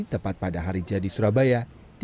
tepat pada hari jadi surabaya